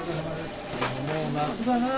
もう夏だな。